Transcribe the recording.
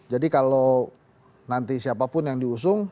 jadi kalau nanti siapapun yang diusung